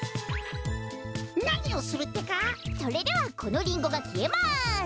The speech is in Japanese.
それではこのリンゴがきえます。